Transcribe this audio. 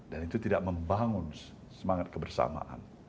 dan itu tidak membangun semangat kebersamaan